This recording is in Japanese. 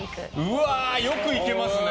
うわー、よく行けますね。